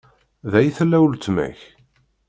Da i tella uletma-k?